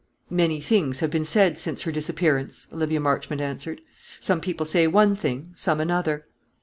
"Many things have been said since her disappearance," Olivia Marchmont answered. "Some people say one thing, some another."